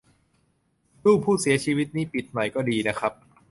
รูปผู้เสียชีวิตนี่ปิดหน่อยก็ดีนะครับ